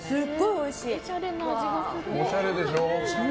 おしゃれでしょ。